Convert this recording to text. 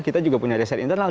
kita juga punya riset internal